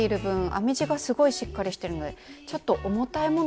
編み地がすごいしっかりしてるのでちょっと重たいもの入れても大丈夫そうですね。